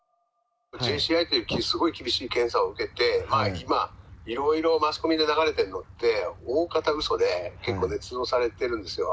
ＪＣＩというすごい厳しい検査を受けて、今、いろいろマスコミで流れているのって、大方うそで、結構ねつ造されてるんですよ。